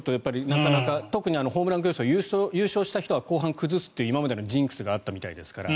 特にホームラン競争優勝した人は後半崩すという今までのジンクスがあったみたいですから。